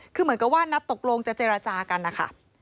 คือเหมือนกับว่านัดตกลงจะเจรจากันนะคะ